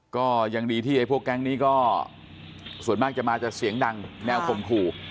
ก็อย่างดีที่พวกแก๊งนี้ก็ส่วนมากจะมาเสียงดังแนวคมครู